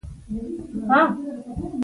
په څېره کې به یې د رضایت نښې نښانې معلومېدلې.